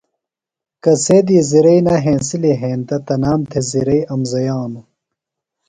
کسے دی زرئی نہ ہینسِلیۡ ہینتہ تنام تھےۡ زرئی امزیانہ۔